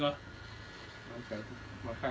สวัสดีทุกคน